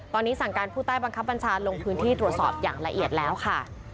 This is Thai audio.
ตอนนี้สั่งการผู้ใต้บังคับบัญชาลงพื้นที่ตรวจสอบอย่างละเอียดแล้วค่ะ